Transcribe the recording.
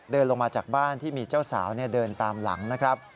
เดินลงมาจากบ้านที่มีเจ้าสาวเดินตามหลังนะครับ